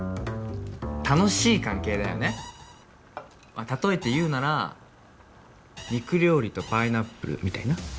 楽しい関係だよね例えて言うなら肉料理とパイナップルみたいな？